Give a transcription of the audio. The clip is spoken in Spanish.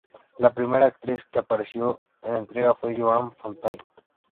La primera actriz que apareció en la entrega fue Joan Fontaine.